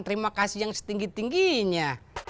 terima kasih yang setinggi tingginya